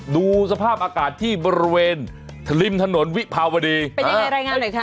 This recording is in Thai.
ดูสภาพอากาศที่บริเวณริมถนนวิภาวดีเป็นยังไงรายงานหน่อยค่ะ